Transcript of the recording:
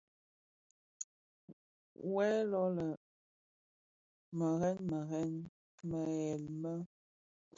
Wu lè yè murèn muren meghel me.